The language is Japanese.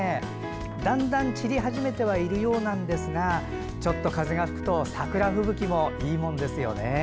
だんだん散り始めているようなんですがちょっと風が吹くと桜吹雪もいいものですよね。